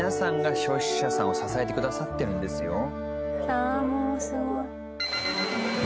ああもうすごい。